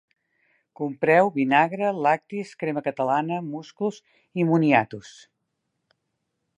Compreu vinagre, lactis, crema catalana, musclos i moniatos